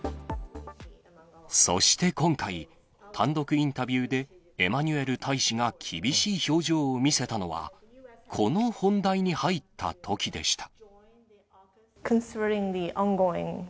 そして今回、単独インタビューでエマニュエル大使が厳しい表情を見せたのは、この本題に入ったときでした。